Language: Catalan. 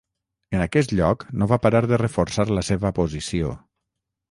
En aquest lloc no va parar de reforçar la seva posició.